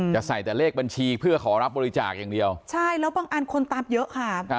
จะใส่แต่เลขบัญชีเพื่อขอรับบริจาคอย่างเดียวใช่แล้วบางอันคนตามเยอะค่ะ